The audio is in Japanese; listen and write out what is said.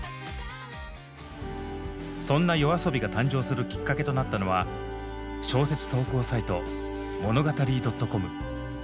そんなＹＯＡＳＯＢＩが誕生するきっかけとなったのは小説投稿サイト「ｍｏｎｏｇａｔａｒｙ．ｃｏｍ」。